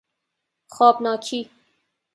خوابناکی